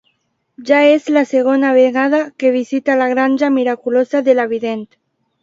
Ja és la segona vegada que visita la granja miraculosa de la vident.